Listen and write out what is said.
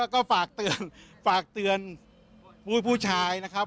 ก็ฝากเตือนผู้ชายนะครับ